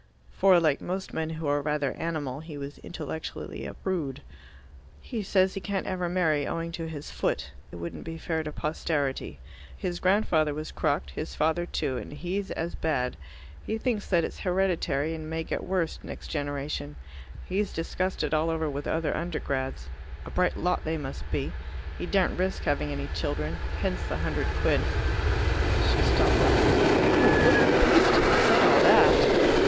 For, like most men who are rather animal, he was intellectually a prude. "He says he can't ever marry, owing to his foot. It wouldn't be fair to posterity. His grandfather was crocked, his father too, and he's as bad. He thinks that it's hereditary, and may get worse next generation. He's discussed it all over with other Undergrads. A bright lot they must be. He daren't risk having any children. Hence the hundred quid." She stopped laughing. "Oh, little beast, if he said all that!"